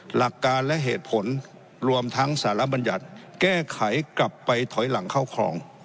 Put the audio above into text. หลักการและเหตุผลรวมทั้งสารบัญญัติแก้ไขกลับไปถอยหลังเข้าครอง